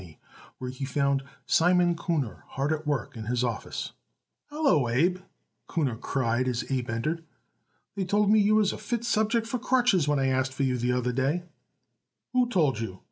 where he found Simon Kuhner hard at work in his office. "Hallo, Abe!" Kuhner cried as Abe entered. "They told me you was a fit subject for crutches when I asked for you the other day." "Who told you?"